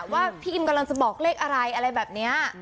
ว่าพี่อิมกำลังจะบอกเลขอะไรอะไรแบบนี้